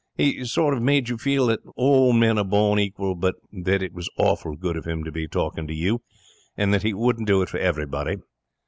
He sort of made you feel that all men are born equal, but that it was awful good of him to be talking to you, and that he wouldn't do it for everybody.